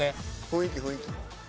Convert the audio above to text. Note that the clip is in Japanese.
雰囲気雰囲気。